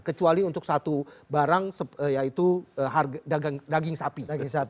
kecuali untuk satu barang yaitu daging sapi